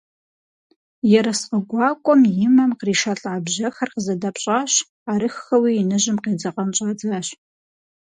Ерыскъы гуакӀуэм и мэм къришэлӀа бжьэхэр къызэдэпщӀащ, арыххэуи иныжьым къедзэкъэн щӀадзащ.